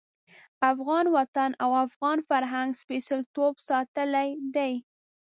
افغان وطن او افغان فرهنګ سپېڅلتوب ساتلی دی.